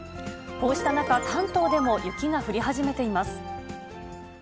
こうした中、関東でも雪が降り始めています。